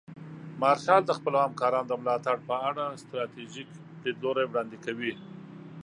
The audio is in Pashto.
مارشال د خپلو همکارانو د ملاتړ په اړه ستراتیژیک لیدلوري وړاندې کوي.